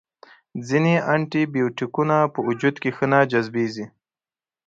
ځینې انټي بیوټیکونه په وجود کې ښه نه جذبیږي.